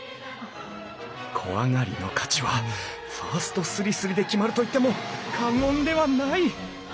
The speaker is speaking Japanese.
小上がりの価値はファーストすりすりで決まると言っても過言ではない！